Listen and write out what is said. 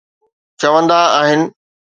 چوندا آهن